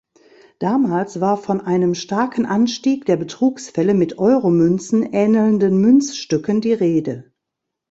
Damals war von einem starken Anstieg der Betrugsfälle mit Euro-Münzen ähnelnden Münzstücken die Rede.